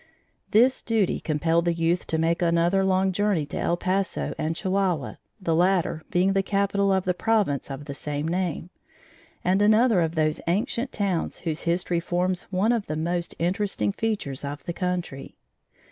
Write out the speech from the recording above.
This duty compelled the youth to make another long journey to El Paso and Chihuahua, the latter being the capital of the province of the same name, and another of those ancient towns whose history forms one of the most interesting features of the country.